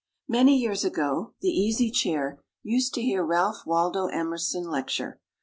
Many years ago the Easy Chair used to hear Ralph Waldo Emerson lecture.